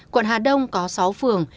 quận hà đông có sáu phường